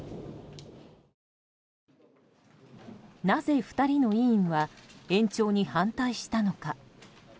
なぜ２人の委員は延長に反対したのか。